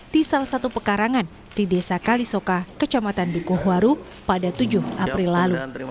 di salah satu pekarangan di desa kalisoka kecamatan dukuhwaru pada tujuh april lalu